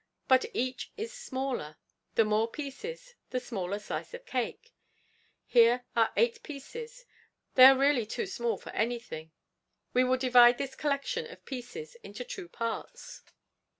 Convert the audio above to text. But each is smaller, the more pieces, the smaller slice of cake; here are eight pieces; they are really too small for anything, we will divide this collection of pieces into two parts.